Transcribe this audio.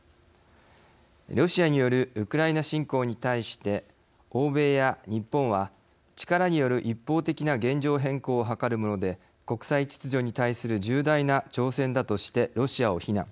ロシアによるウクライナ侵攻に対して欧米や日本は力による一方的な現状変更をはかるもので国際秩序に対する重大な挑戦だとしてロシアを非難。